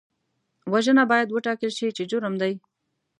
وژنه باید وټاکل شي چې جرم دی